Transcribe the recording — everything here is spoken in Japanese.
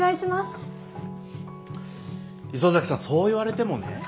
磯崎さんそう言われてもね。